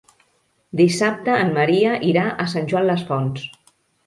Dissabte en Maria irà a Sant Joan les Fonts.